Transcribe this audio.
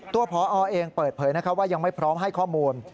ตัวพอเองเปิดเผยว่ายังไม่พร้อมให้ข้อมูล